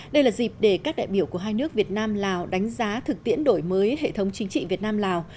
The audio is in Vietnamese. đây là dịp để các đại biểu của hai nước việt nam lào đánh giá thực tiễn đổi mới hệ thống chính trị việt nam lào